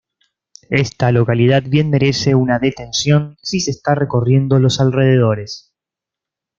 Esta localidad bien merece una detención si se está recorriendo los alrededores.